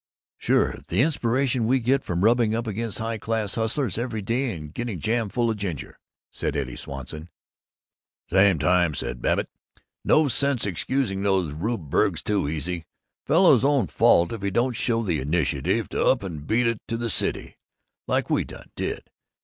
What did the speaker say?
"Sure, and the inspiration we get from rubbing up against high class hustlers every day and getting jam full of ginger," said Eddie Swanson. "Same time," said Babbitt, "no sense excusing these rube burgs too easy. Fellow's own fault if he doesn't show the initiative to up and beat it to the city, like we done did.